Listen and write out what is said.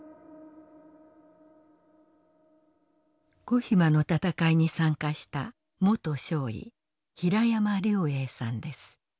コヒマの戦いに参加した元少尉平山良映さんです。